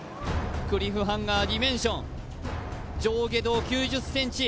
クリフハンガーディメンション上下動９０センチ